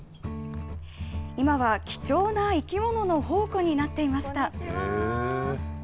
今は貴重な生き物の宝庫になっていました。